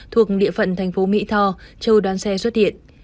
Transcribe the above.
thuộc địa phận tp mỹ tho châu đoán xe xuất hiện